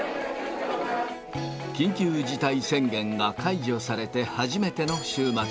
緊急事態宣言が解除されて初めての週末。